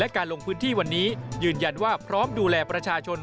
การลงพื้นที่วันนี้ยืนยันว่าพร้อมดูแลประชาชน